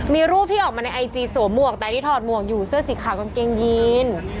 มีรูปที่ออกมาในไอจีสวมหมวกแต่ที่ถอดหมวกอยู่เสื้อสีขาวกางเกงยีน